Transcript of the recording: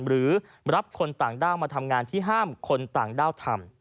หรือรับคนต่างด้าวมาทำงานที่ห้ามคนต่างด้าวทำ